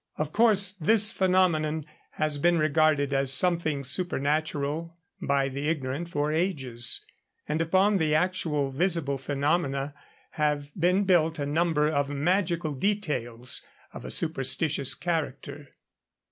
Of course this phenomenon has been regarded as something supernatural by the ignorant for ages, and upon the actual visible phenomena have been built a number of magical details of a superstitious character.